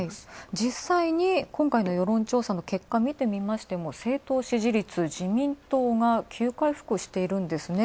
実際に今回の世論調査結果、見てみましても政党支持率、自民党が急回復しているんですね。